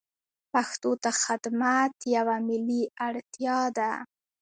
پښتو ته خدمت یوه ملي اړتیا ده.